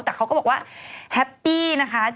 แต่เขาก็บอกว่าแฮปปี้นะคะ